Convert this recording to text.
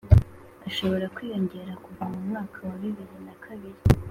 ushobora kwiyongera kuva mu mwaka wa bibiri na kabiri